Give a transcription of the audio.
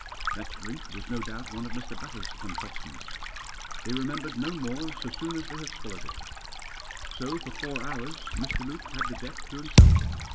That drink was no doubt one of Mr. Batters' concoctions. They remembered no more so soon as they swallowed it. So for four hours Mr. Luke had the deck to himself.